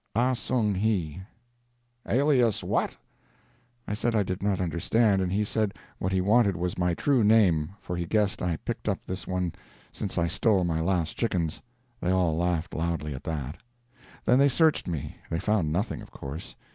"Ah Song Hi." "Alias what?" I said I did not understand, and he said what he wanted was my true name, for he guessed I picked up this one since I stole my last chickens. They all laughed loudly at that. Then they searched me. They found nothing, of course.